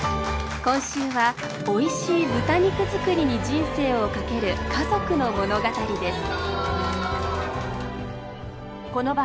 今週はおいしい豚肉作りに人生をかける家族の物語です。